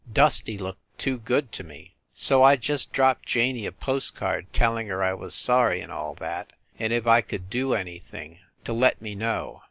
Dusty looked too good to me. So I just dropped Janey a post card telling her I was sorry, and all that, and if I could do anything to let me know.